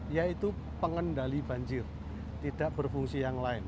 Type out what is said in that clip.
yaitu pengendali banjir tidak berfungsi yang lain